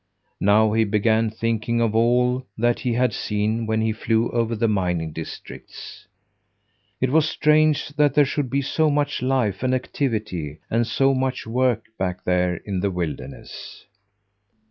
Now he began thinking of all that he had seen when he flew over the mining districts. It was strange that there should be so much life and activity and so much work back there in the wilderness.